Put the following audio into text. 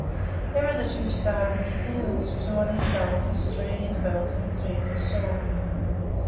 There are the two stars in his heels, two on his shoulders, three in his belt, and three in his sword.